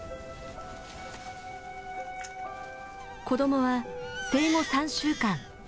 子どもは生後３週間。